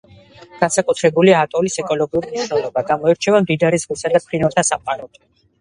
განსაკუთრებულია ატოლის ეკოლოგიური მნიშვნელობა; გამოირჩევა მდიდარი ზღვისა და ფრინველთა სამყაროთი.